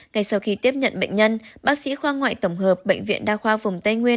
ngay sau khi tiếp nhận bệnh nhân bác sĩ khoa ngoại tổng hợp bệnh viện đa khoa vùng tây nguyên